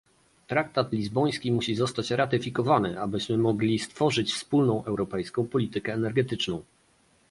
Traktat lizboński musi zostać ratyfikowany, abyśmy mogli stworzyć wspólną europejską politykę energetyczną